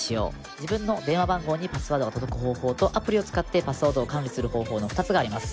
自分の電話番号にパスワードが届く方法とアプリを使ってパスワードを管理する方法の２つがあります。